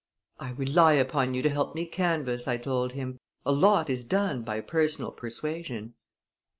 "I rely upon you to help me canvass," I told him. "A lot is done by personal persuasion."